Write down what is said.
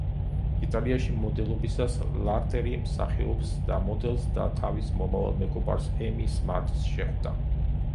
იტალიაში მოდელობისას, ლარტერი მსახიობს და მოდელს, და თავის მომავალ მეგობარს, ემი სმარტს შეხვდა.